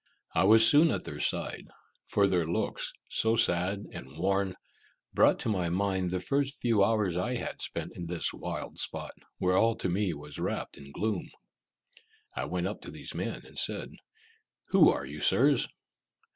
I was soon at their side, for their looks, so sad and worn, brought to my mind the first few hours I had spent in this wild spot, where all to me was wrapt in gloom. I went up to these men, and said: "Who are you, Sirs?"